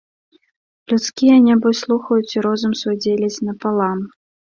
Людскія, нябось, слухаюць і розум свой дзеляць напалам.